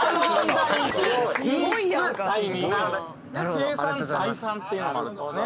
生産第三っていうのもあるんですね。